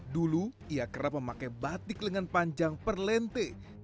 dulu ia kerap memakai batik lengan panjang per lente